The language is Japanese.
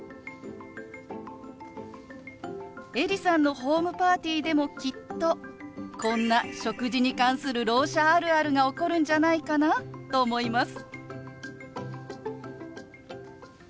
エリさんのホームパーティーでもきっとこんな食事に関するろう者あるあるが起こるんじゃないかなと思います。